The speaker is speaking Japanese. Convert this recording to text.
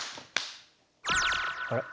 あれ？